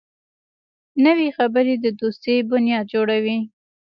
نوې خبرې د دوستۍ بنیاد جوړوي